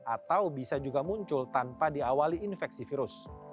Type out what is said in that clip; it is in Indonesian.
atau bisa juga muncul tanpa diawali infeksi virus